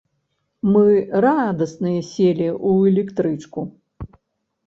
Мы радасныя селі ў электрычку.